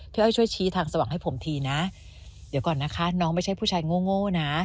อ้อยช่วยชี้ทางสว่างให้ผมทีนะเดี๋ยวก่อนนะคะน้องไม่ใช่ผู้ชายโง่นะ